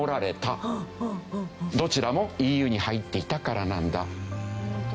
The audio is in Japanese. どちらもＥＵに入っていたからなんだ。